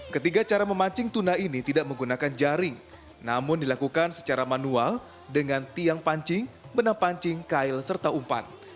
ketiga cara memancing tuna ini tidak menggunakan jaring namun dilakukan secara manual dengan tiang pancing benang pancing kail serta umpan